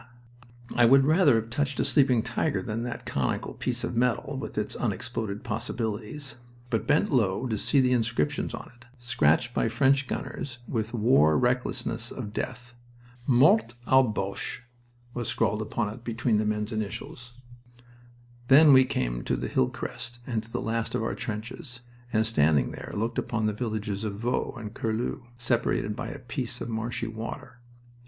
I would rather have touched a sleeping tiger than that conical piece of metal with its unexploded possibilities, but bent low to see the inscriptions on it, scratched by French gunners with wore recklessness of death. Mort aux Boches was scrawled upon it between the men's initials. Then we came to the hill crest and to the last of our trenches, and, standing there, looked down upon the villages of Vaux and Curlu, separated by a piece of marshy water.